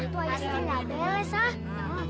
tuah istri gak beles ah